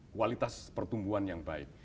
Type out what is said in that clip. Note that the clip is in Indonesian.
kualitas pertumbuhan yang baik